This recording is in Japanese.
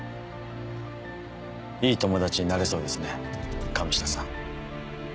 いい友達になれそうですね神下さん。